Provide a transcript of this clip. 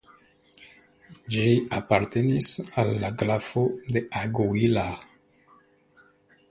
Ĝi apartenis al la grafo de Aguilar.